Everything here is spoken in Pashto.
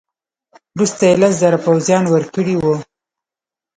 وروسته یې لس زره پوځیان ورکړي وه.